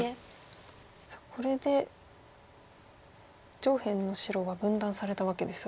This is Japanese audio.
さあこれで上辺の白は分断されたわけですが。